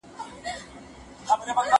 زه اجازه لرم چي ږغ واورم!؟